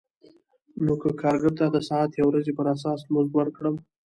نو که کارګر ته د ساعت یا ورځې پر اساس مزد ورکړم